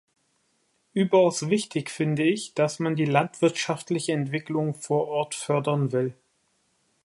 Überaus wichtig finde ich, dass man die landwirtschaftliche Entwicklung vor Ort fördern will.